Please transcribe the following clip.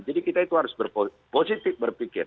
jadi kita itu harus positif berpikir